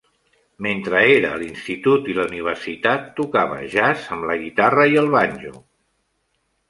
Mentre era a l'institut i la universitat, tocava jazz amb la guitarra i el banjo.